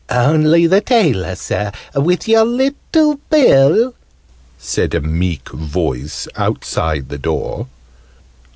"Only the tailor, Sir, with your little bill," said a meek voice outside the door.